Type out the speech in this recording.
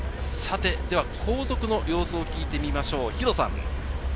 では後続の様子を聞いてみましょう、弘さん。